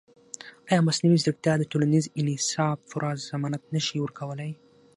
ایا مصنوعي ځیرکتیا د ټولنیز انصاف پوره ضمانت نه شي ورکولی؟